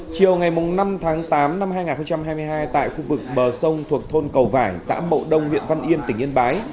chiều ngày năm tháng tám năm hai nghìn hai mươi hai tại khu vực bờ sông thuộc thôn cầu vải xã mậu đông huyện văn yên tỉnh yên bái